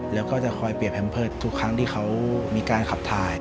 แล้วก็จะคอยเปรียบแพมเพิร์ตทุกครั้งที่เขามีการขับถ่าย